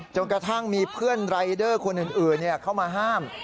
กระทั่งมีเพื่อนรายเดอร์คนอื่นเข้ามาห้าม